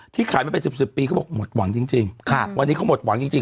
ขายมาเป็นสิบสิบปีเขาบอกหมดหวังจริงวันนี้เขาหมดหวังจริงจริง